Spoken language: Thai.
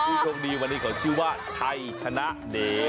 ติดตามตลอดความกันต่อเลย